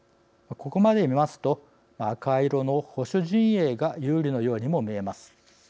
ここまで見ますと赤色の保守陣営が有利のようにも見えます。